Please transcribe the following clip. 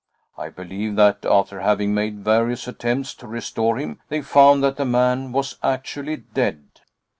I believe that after having made various attempts to restore him, they found that the man was actually dead.